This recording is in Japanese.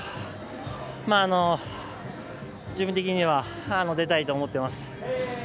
自分的には出たいと思っています。